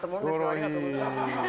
ありがとうございます。